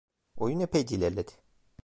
Oyun epeyce ilerledi…